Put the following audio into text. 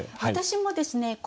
私もですね